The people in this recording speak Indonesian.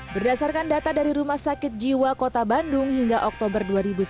berdasarkan data dari rumah sakit jiwa kota bandung hingga oktober dua ribu sembilan belas